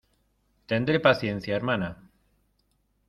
tendré paciencia, hermana.